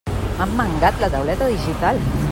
M'han mangat la tauleta digital!